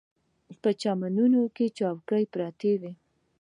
په چمنونو کې چوکۍ پرتې وې.